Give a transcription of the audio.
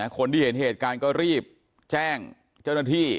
คนที่เห็นเหตุการณ์ก็รีบแจ้งเจ้าหน้าที่